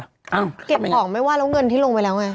เก็บของไม่ว่าแล้วเงินที่ลงไปแล้วไง